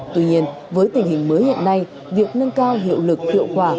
tuy nhiên với tình hình mới hiện nay việc nâng cao hiệu lực hiệu quả